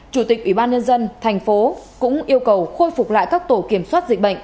chủ tịch ubnd tp cũng yêu cầu khôi phục lại các tổ kiểm soát dịch bệnh